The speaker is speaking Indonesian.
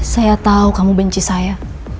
saya tahu kamu benci saya